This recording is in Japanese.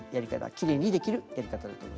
きれいにできるやり方だと思います。